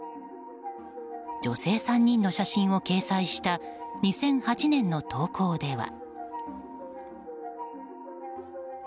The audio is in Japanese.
女性３人の写真を掲載した２００８年の投稿では。